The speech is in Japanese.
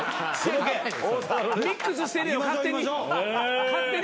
ミックスしてるよ勝手に。